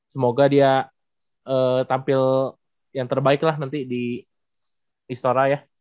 semoga dia tampil yang terbaik lah nanti di istora ya